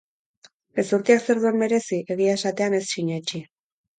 Gezurtiak zer duen merezi? Egia esatean ez sinetsi.